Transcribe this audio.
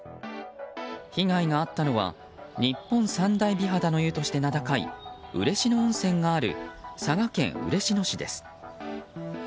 被害があったのは日本三大美肌の湯として名高い嬉野温泉がある佐賀県嬉野市です。